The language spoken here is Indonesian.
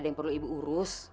ada yang perlu ibu urus